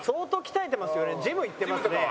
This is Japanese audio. ジム行ってますね？